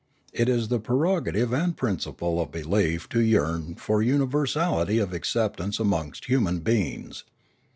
It is the prerogative and principle of belief to yearn for universality of acceptance amongst human beings.